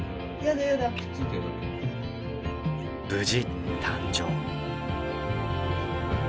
無事誕生。